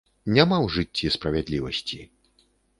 Няма ў жыцці справядлівасці!